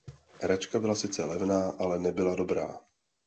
Hračka byla sice levná, ale nebyla dobrá!